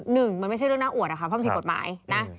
หนึ่งมันไม่ใช่เรื่องน่าอวดอะค่ะเพราะมันผิดกฎหมายนะ